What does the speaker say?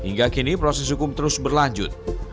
hingga kini proses hukum terus berlanjut